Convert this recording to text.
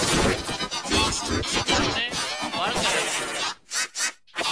اي گھر نين همڀاۯ ڪري سي